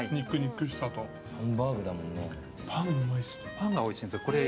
パンがおいしいんです。